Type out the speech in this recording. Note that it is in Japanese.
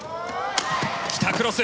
来た、クロス。